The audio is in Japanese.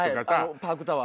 パークタワー。